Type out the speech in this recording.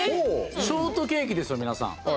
ショートケーキですよ、皆さん